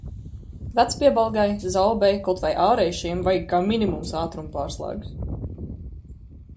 Vecpiebalgai, Zaubei, kaut vai Āraišiem vajag kā minimums ātrumu pārslēgus.